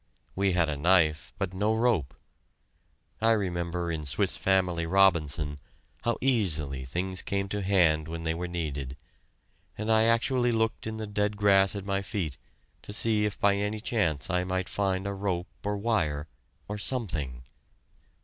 We had a knife, but no rope. I remember in "Swiss Family Robinson" how easily things came to hand when they were needed, and I actually looked in the dead grass at my feet to see if by any chance I might find a rope or wire or something.